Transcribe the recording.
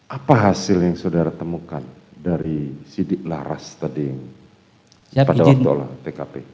apa hasil yang saudara temukan dari sidik laras tadi pada waktu olah tkp